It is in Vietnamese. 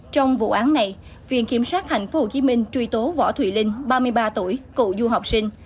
trong vụ án này viện kiểm sát tp hcm truy tố võ thùy linh ba mươi ba tuổi cựu du học sinh